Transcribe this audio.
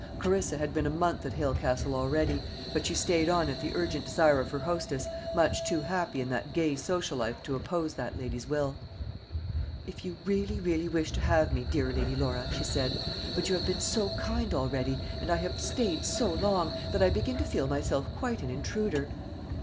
Clarissa had been a month at Hale Castle already; but she stayed on at the urgent desire of her hostess, much too happy in that gay social life to oppose that lady's will. "If you really, really wish to have me, dear Lady Laura," she said; "but you have been so kind already, and I have stayed so long, that I begin to feel myself quite an intruder."